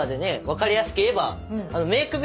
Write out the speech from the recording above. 分かりやすく言えばメーク